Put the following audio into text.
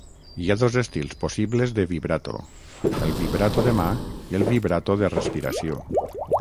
Hi ha dos estils possibles de vibrato, el vibrato de mà i el vibrato de respiració.